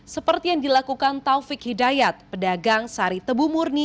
seperti yang dilakukan taufik hidayat pedagang sari tebumurni